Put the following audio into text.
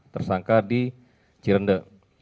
tersangka di cirende